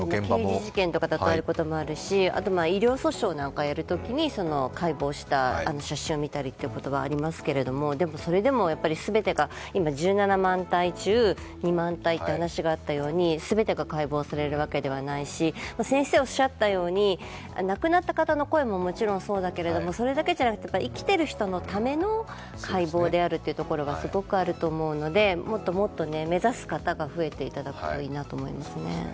刑事事件もあったり医療訴訟をやるときに解剖した写真を見たりということはありますけれども、それでもやっぱり全てが、今、１７万体中２万体っていう話があったように全てが解剖されるわけではないし、亡くなった方の声ももちろんそうだけどそれだけじゃなくて生きている人のための解剖であるというところはすごくあると思うので、もっともっと、目指す方が増えていただくといいなと思いますね。